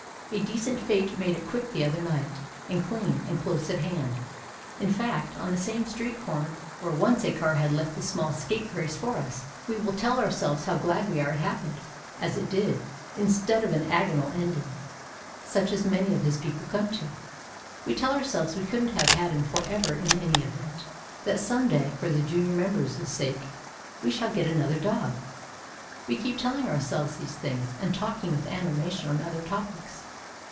A decent fate made it quick the other night, and clean and close at hand, in fact, on the same street corner where once a car had left the small scapegrace for us. We tell ourselves how glad we are it happened as it did, instead of an agonal ending such as many of his people come to. We tell ourselves we couldn't have had him for ever in any event; that some day, for the junior member's sake, we shall get another dog. We keep telling ourselves these things, and talking with animation on other topics.